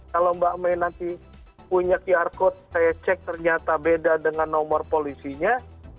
kalau mbak may nanti punya qr code saya cek ternyata beda dengan nomor polisinya